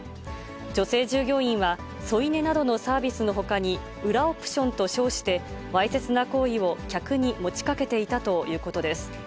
女性従業員は、添い寝などのサービスのほかに、裏オプションと称して、わいせつな行為を客に持ちかけていたということです。